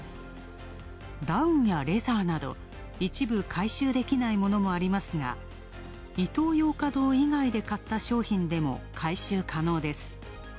ダウンやレザーなど、一部回収できないものもありますがイトーヨーカドー以外で買った商品でも回収可能です。